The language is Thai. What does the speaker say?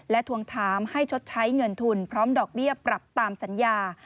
ทวงถามให้ชดใช้เงินทุนพร้อมดอกเบี้ยปรับตามสัญญา